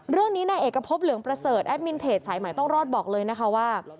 เรื่องนี้นายเอกพบเหลืองประเสริฐแอดมินเพจสายใหม่ต้องรอดบอกเลยนะคะว่า